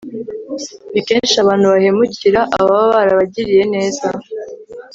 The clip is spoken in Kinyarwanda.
ni kenshi abantu bahemukira ababa barabagiriye neza